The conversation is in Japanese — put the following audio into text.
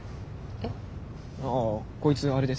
えっ？